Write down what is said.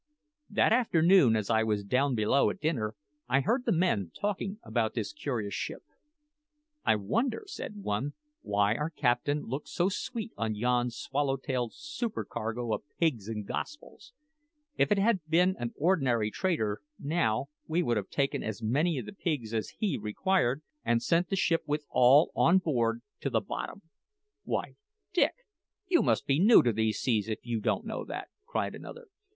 That afternoon, as I was down below at dinner, I heard the men talking about this curious ship. "I wonder," said one, "why our captain looked so sweet on yon swallow tailed supercargo o' pigs and Gospels? If it had been an ordinary trader, now, he would have taken as many o' the pigs as he required and sent the ship with all on board to the bottom." "Why, Dick, you must be new to these seas if you don't know that!" cried another.